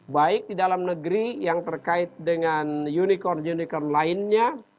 baik di dalam negeri yang terkait dengan unicorn unicorn lainnya